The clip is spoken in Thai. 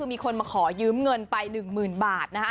มีคนมาขอยืมเงินไป๑หมื่นบาท